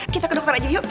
kita ke dokter aja yuk